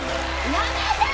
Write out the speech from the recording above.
やめて！